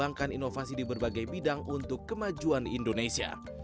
dan mengembangkan inovasi di berbagai bidang untuk kemajuan indonesia